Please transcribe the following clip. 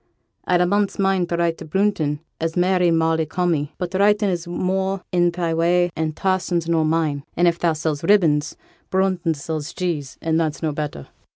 I'd a month's mind to write to Brunton, as married Molly Corney, but writin' is more i' thy way an' t' parson's nor mine; and if thou sells ribbons, Brunton sells cheese, and that's no better.'